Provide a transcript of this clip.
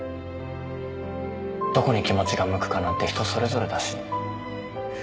どこに気持ちが向くかなんて人それぞれだし。